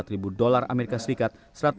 tiga puluh empat ribu dolar amerika serikat